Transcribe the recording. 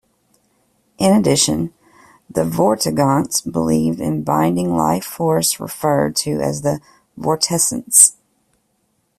In addition, the Vortigaunts believe in a binding life-force referred to as the "Vortessence".